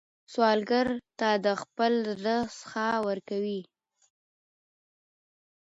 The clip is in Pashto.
سوالګر ته د خپل زړه سخا ورکوئ